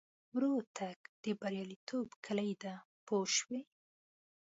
ورو تګ د بریالیتوب کیلي ده پوه شوې!.